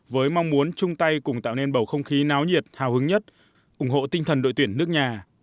với mong muốn chung tay cùng tạo nên bầu không khí náo nhiệt hào hứng nhất ủng hộ tinh thần đội tuyển nước nhà